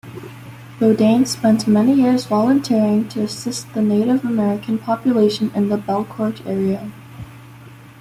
Bodine spent many years volunteering to assist the Native American population in the Belcourt-area.